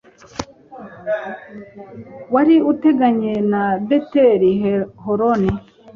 wari uteganye na Beti Horoni